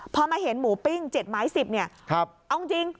พอมาเห็นหมูปิ้ง๗ไม้๑๐เนี่ยเอาจริง